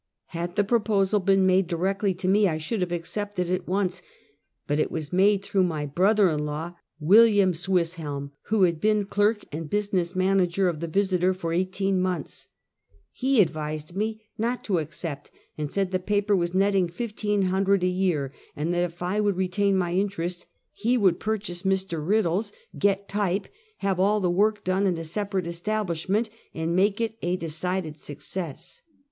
Had the proposal been made directly to me, I should have accepted at once, but it was made through my brother in law, William Swisshelm, who had been clerk and business manager of the Visiter for eighteen months. He advised me not to accept; said the paper was netting fifteen hundred a year, and that if I would retain my interest he would purchase Mr. Kiddle's, get type, have all the work done in a separate estab lishment, and make it a decided success.